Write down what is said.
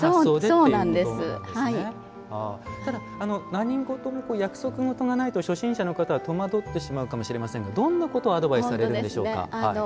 何事も約束事がないと初心者の方は戸惑ってしまうかもしれませんがどんなことをアドバイスされるのでしょうか？